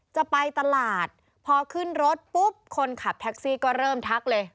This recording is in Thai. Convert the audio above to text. จะไปตลาดพอขึ้นรถปุ๊บคนขับแท็กซี่ก็เริ่มทักเลย